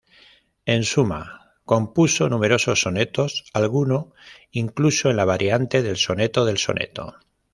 En suma compuso numerosos sonetos, alguno incluso en la variante del "soneto del soneto".